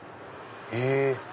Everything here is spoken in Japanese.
へぇ。